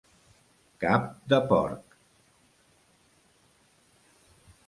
Cap de porc.